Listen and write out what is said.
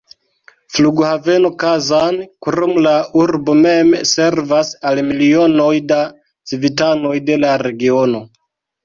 Flughaveno Kazan, krom la urbo mem, servas al milionoj da civitanoj de la regiono.